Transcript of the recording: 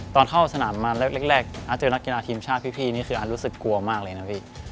ตอนเข้าสนามมาแรกอาจเจอนักกีฬาทีมชาติพี่นี่คืออาร์รู้สึกกลัวมากเลยนะพี่